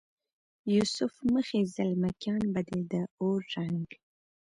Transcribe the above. یوسف مخې زلمکیان به دې د اور رنګ،